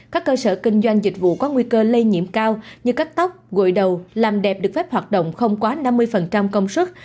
các cơ sở kinh doanh dịch vụ có nguy cơ lây nhiễm cao như cắt tóc gội đầu làm đẹp được phép hoạt động không quá năm mươi công sức